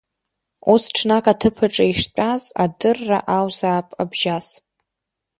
Ус ҽнак аҭыԥаҿы иштәаз, адырра аузаап Абжьас.